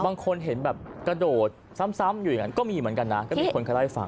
บางคนเห็นกระโดดซ้ำอยู่อย่างนั้นก็มีเหมือนกันนะ